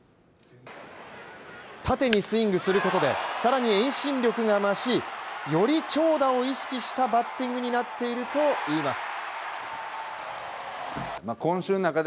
縦にスイングすることで更に遠心力が増しより長打を意識したバッティングになっているといいます。